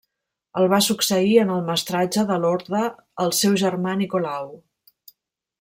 El va succeir en el mestratge de l'orde el seu germà Nicolau.